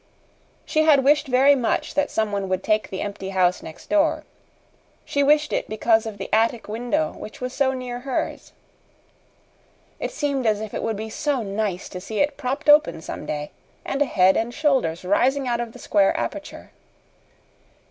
She had wished very much that some one would take the empty house next door. She wished it because of the attic window which was so near hers. It seemed as if it would be so nice to see it propped open someday and a head and shoulders rising out of the square aperture.